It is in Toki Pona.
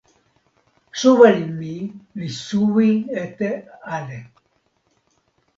soweli mi li suwi ete ale.